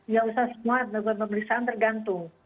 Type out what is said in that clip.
ya usah semua buat pemeriksaan tergantung